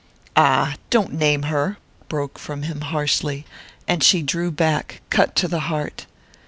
"Ah, don't name her!" broke from him harshly, and she drew back, cut to the heart.